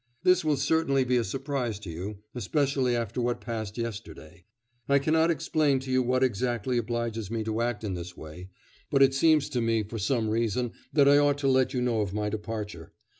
This will certainly be a surprise to you, especially after what passed yesterday. I cannot explain to you what exactly obliges me to act in this way; but it seems to me for some reason that I ought to let you know of my departure.